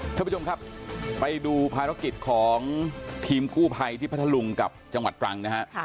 ท่านผู้ชมครับไปดูภารกิจของทีมกู้ภัยที่พัทธลุงกับจังหวัดตรังนะฮะ